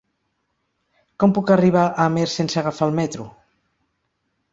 Com puc arribar a Amer sense agafar el metro?